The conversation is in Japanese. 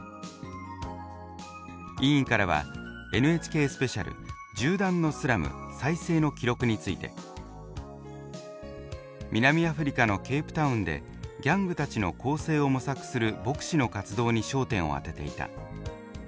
委員からは「ＮＨＫスペシャル銃弾のスラム再生の記録」について「南アフリカのケープタウンでギャングたちの更生を模索する牧師の活動に焦点を当てていた。